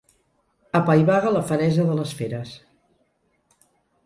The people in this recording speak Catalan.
Apaivaga la feresa de les feres.